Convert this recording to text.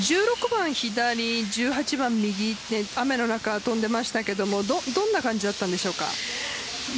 １６番左、１８番右って雨の中、飛んでいましたがどんな感じだったんでしょうか？